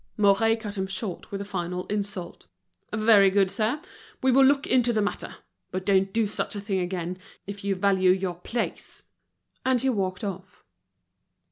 Mouret cut him short with a final insult. "Very good, sir; we will look into the matter. But don't do such a thing again, if you value your place." And he walked off.